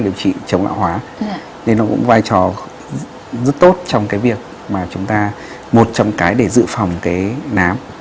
điều trị chống mã hóa nên nó cũng vai trò rất tốt trong cái việc mà chúng ta một trong cái để dự phòng cái nám